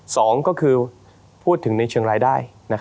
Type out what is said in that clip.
สองก็คือพูดถึงในเชียงรายได้